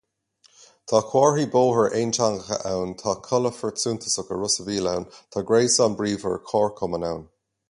Tá comharthaí bóthair aonteangacha ann, tá calafort suntasach i Ros an Mhíl ann, tá gréasán bríomhar comharchumann ann.